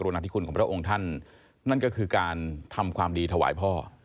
นาธิคุณของพระองค์ท่านนั่นก็คือการทำความดีถวายพ่อ